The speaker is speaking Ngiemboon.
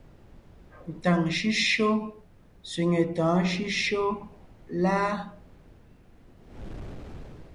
Ntàŋ shʉ́shyó sẅiŋe tɔ̌ɔn shʉ́shyó láa ?